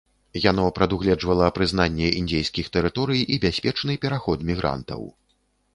Яно прадугледжвала прызнанне індзейскіх тэрыторый і бяспечны пераход мігрантаў.